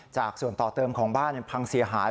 จากส่วนต่อเติมของบ้านพังเสียหาย